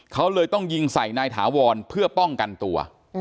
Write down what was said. เขาเลยต้องยิงใส่นายถาวรเพื่อป้องกันตัว